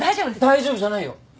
大丈夫じゃないよ。